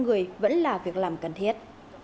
người vẫn là việc làm cần thiết